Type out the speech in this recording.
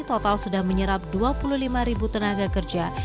total sudah menyerap dua puluh lima ribu tenaga kerja